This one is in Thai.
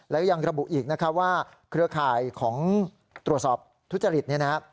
และยังระบุอีกนะครับว่าเครือข่ายของตรวจสอบทุจริตเนี่ยนะครับ